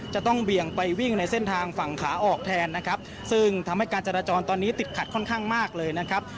จะต้องเบี่ยงไปวิ่งในเส้นทางฝั่งขาออกแทนนะครับซึ่งทำให้การจราจรตอนนี้ติดขัดค่อนข้างมากเลยนะครับ